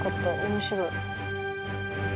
面白い。